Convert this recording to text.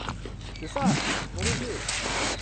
C'est ça, nom de Dieu!